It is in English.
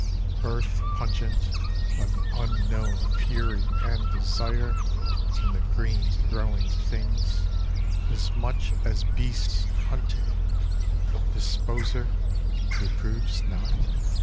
Earth pungent, of unknown fury and desire In the green growing things as much as beasts hunting Disposer (who proves not